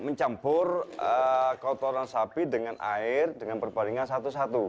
mencampur kotoran sapi dengan air dengan perbaringan satu satu